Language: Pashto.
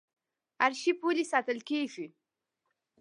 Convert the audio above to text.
ارشیف ولې ساتل کیږي؟